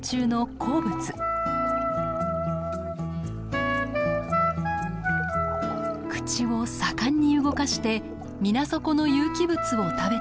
口を盛んに動かして水底の有機物を食べています。